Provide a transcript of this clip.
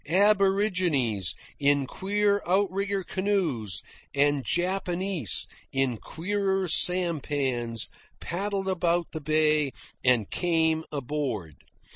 Aborigines, in queer outrigger canoes, and Japanese, in queerer sampans, paddled about the bay and came aboard.